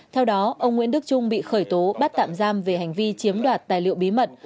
theo đó ông nguyễn đức trung bị khởi tố bắt tạm giam về hành vi chiếm đoạt tài liệu bí mật